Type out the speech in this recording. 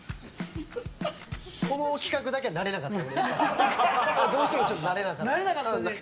この企画だけ慣れなかった。